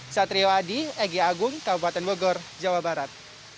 satrio adi egy agung kabupaten bogor jawa barat